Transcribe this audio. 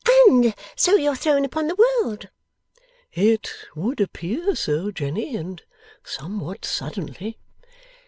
'And so you're thrown upon the world!' 'It would appear so, Jenny, and somewhat suddenly.